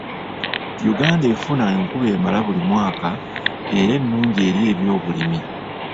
Uganda efuna enkuba emala buli mwaka era ennungi eri eby'obulimi.